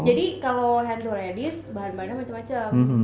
jadi kalau hand to ladies bahan bahannya macam macam